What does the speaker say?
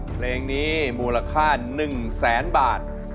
เพลงนี้มูลค่า๑แสนบาท